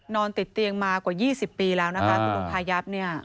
นอนติดเตียงมากว่า๒๐ปีแล้วนะคะคุณลุงพายับเนี่ย